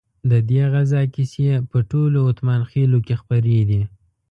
ددې غزا کیسې په ټولو اتمانخيلو کې خپرې دي.